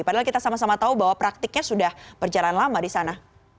padahal kita sama sama tahu bahwa praktiknya sudah berjalan lama di sana